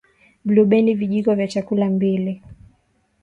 Blubendi vijiko vya chakula mbili